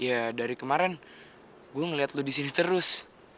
ya dari kemarin gue ngeliat lo disini terus